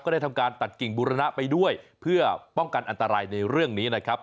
ได้ทำการตัดกิ่งบุรณะไปด้วยเพื่อป้องกันอันตรายในเรื่องนี้นะครับ